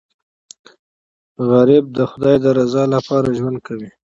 غریب د خدای د رضا لپاره ژوند کوي